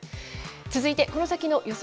続いて、この先の予想